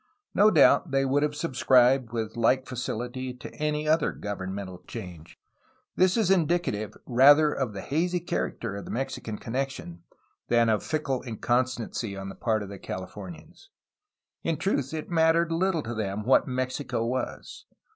No doubt they would have subscribed with like facihty to any other governmental change. This is indicative rather of the hazy character of the Mexican con nection than of fickle inconstancy on the part of the Cali fornians. In truth, it mattered little to them what Mexico was.